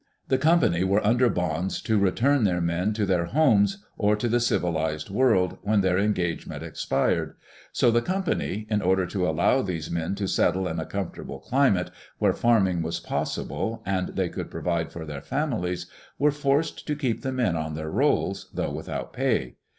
The Company were imder bonds to return their men to their homes, or to the civilized world, when their engagements expired; so the Company, in order to allow these men to settle in a comfort able climate, where farming was possible and they could provide for their families, were forced to keep the men on their rolls, though without pay.